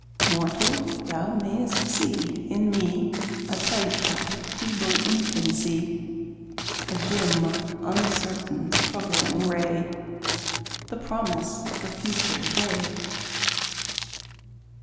Mortal! thou mayst see in me A type of feeble infancy, A dim, uncertain, struggling ray, The promise of a future day!